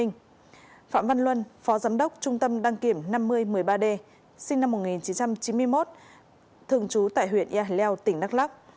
phạm văn luân phó giám đốc trung tâm đăng kiểm năm mươi một mươi ba d sinh năm một nghìn chín trăm chín mươi một thường trú tại huyện yà leo tỉnh đắk lắc